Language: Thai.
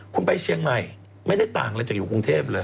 คุณไปเชียงใหม่ไม่ได้ต่างอะไรจากอยู่กรุงเทพเลย